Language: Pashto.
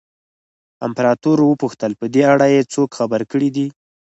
امپراتور وپوښتل په دې اړه یې څوک خبر کړي دي.